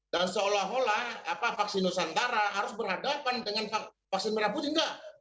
dan seolah olah vaksin nusantara harus berhadapan dengan vaksin merah putih enggak